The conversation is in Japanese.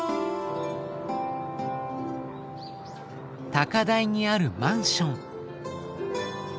高台にあるマンション。